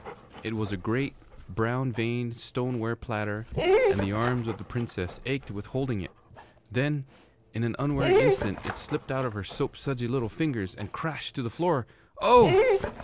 It was a great brown veined stoneware platter, and the arms of the Princess ached with holding it. Then, in an unwary instant, it slipped out of her soapsudsy little fingers and crashed to the floor. Oh!